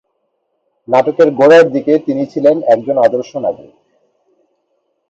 নাটকের গোড়ার দিকে তিনি ছিলেন একজন আদর্শ নাগরিক।